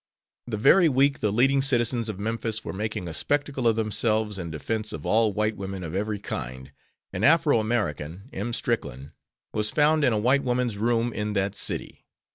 The very week the "leading citizens" of Memphis were making a spectacle of themselves in defense of all white women of every kind, an Afro American, M. Stricklin, was found in a white woman's room in that city.